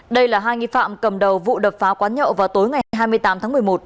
đây là hai nghi phạm cầm đầu vụ đập phá quán nhậu vào tối ngày hai mươi tám tháng một mươi một